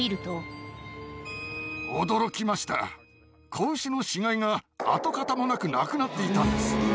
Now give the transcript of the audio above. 子牛の死骸が跡形もなくなくなっていたんです。